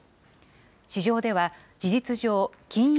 市場では事実上、金融